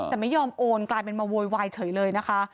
แต่ไม่ยอมโอนกลายเป็นมาโวยวายเฉยเลยนะคะ